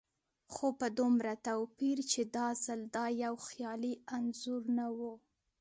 خو په دومره توپير چې دا ځل دا يو خيالي انځور نه و.